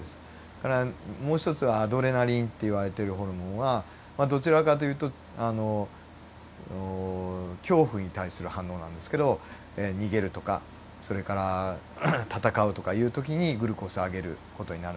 それからもう一つはアドレナリンっていわれているホルモンはまあどちらかというと恐怖に対する反応なんですけど逃げるとかそれから戦うとかいう時にグルコースを上げる事になるんですけども